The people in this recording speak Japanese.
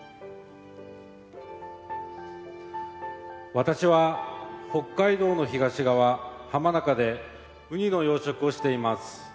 私は北海道の東側、浜中でウニの養殖をしています。